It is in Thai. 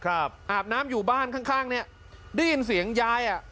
อาบน้ำอยู่บ้านข้างได้ยินเสียงยาย